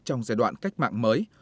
trong giai đoạn cách mạng mới